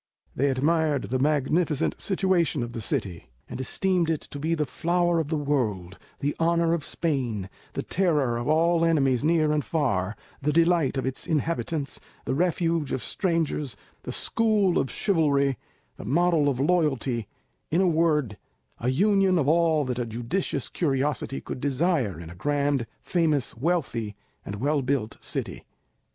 They admired the magnificent situation of the city, and esteemed it to be the flower of the world, the honour of Spain, the terror of all enemies near and far, the delight of its inhabitants, the refuge of strangers, the school of chivalry, the model of loyalty, in a word, a union of all that a judicious curiosity could desire in a grand, famous, wealthy, and well built city.